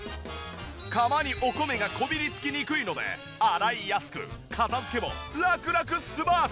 釜にお米がこびりつきにくいので洗いやすく片付けもラクラクスマート！